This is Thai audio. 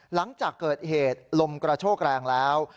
หลังจากเกิดเหตุลมกระโชกแรงแล้ว